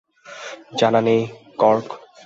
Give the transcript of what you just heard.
জানা নেই, কর্গ।